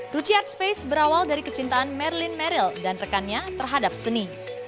ruchi artspace berawal dari kecintaan marilyn merrill dan rekannya terhadap seni